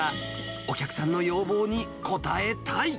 お客さんの要望に応えたい。